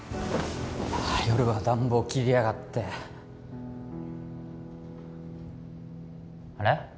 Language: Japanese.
夜は暖房切りやがってあれ？